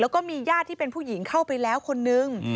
แล้วก็มีญาติที่เป็นผู้หญิงเข้าไปแล้วคนนึง